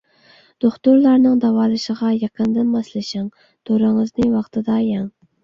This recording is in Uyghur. دوختۇرلارنىڭ داۋالىشىغا يېقىندىن ماسلىشىڭ، دورىڭىزنى ۋاقتىدا يەڭ.